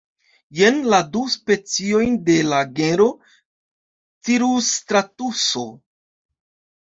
Jen la du speciojn de la genro cirusstratuso.